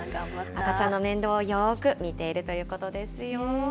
赤ちゃんの面倒をよーく見ているということですよ。